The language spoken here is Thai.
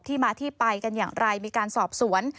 มาที่ไปกันอย่างไรมีการสอบสวน